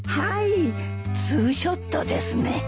はいツーショットですね。